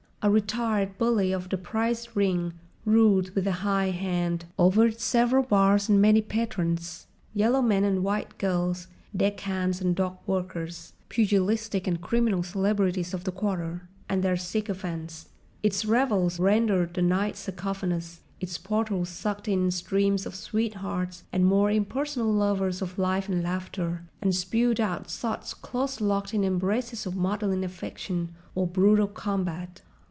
A retired bully of the prize ring ruled with a high hand over its several bars and many patrons, yellow men and white girls, deck hands and dock workers, pugilistic and criminal celebrities of the quarter, and their sycophants. Its revels rendered the nights cacophonous, its portals sucked in streams of sweethearts and more impersonal lovers of life and laughter, and spewed out sots close locked in embraces of maudlin affection or brutal combat.